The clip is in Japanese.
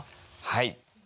はい。